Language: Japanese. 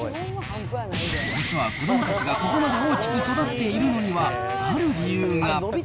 実は子どもたちがここまで大きく育っているのにはある理由が。